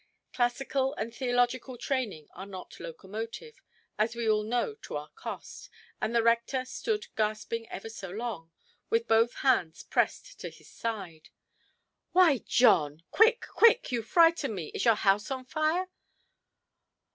Classical and theological training are not locomotive, as we all know to our cost; and the rector stood gasping ever so long, with both hands pressed to his side. "Why, John; quick, quick! You frighten me. Is your house on fire"?